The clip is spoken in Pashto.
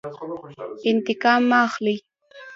انتقام مه اخلئ